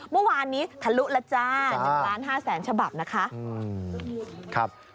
เมื่อวานนี้ทะลุแล้วจ้า๑ล้าน๕แสนฉบับนะคะ